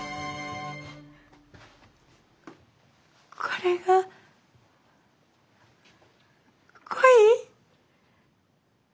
これが恋？